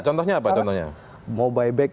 contohnya apa mau buyback